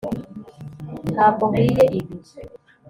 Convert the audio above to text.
ntabwo nkwiye ibi